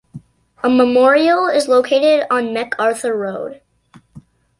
A memorial is located on MacArthur Road.